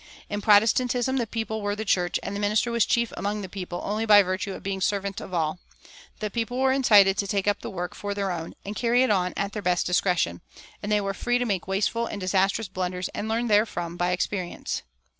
In Protestantism the people were the church, and the minister was chief among the people only by virtue of being servant of all; the people were incited to take up the work for their own and carry it on at their best discretion; and they were free to make wasteful and disastrous blunders and learn therefrom by experience.